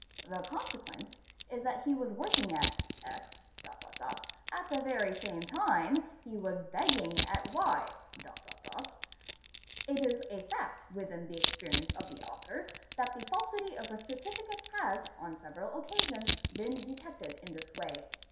The consequence is that he was working at X.... at the very same time he was begging at Y.... It is a fact within hs experience of the author that the falsity of a Noni cate has on several occasions been detected in this way.